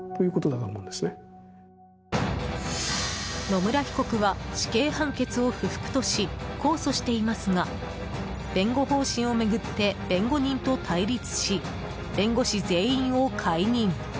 野村被告は死刑判決を不服とし控訴していますが弁護方針を巡って弁護人と対立し弁護士全員を解任。